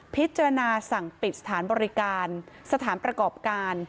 พิจารณาสั่งปิดสถานบริการสถานประกอบการ